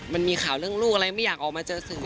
มันมีข่าวเรื่องลูกอะไรไม่อยากออกมาเจอสื่อ